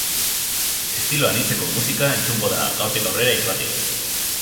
Estilo anitzeko musika entzungo da gaurtik aurrera irratian.